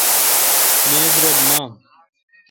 میز رل نام۔